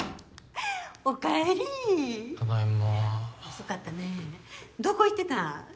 遅かったねどこ行ってたん？